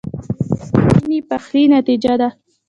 بېنډۍ د میني پخلي نتیجه ده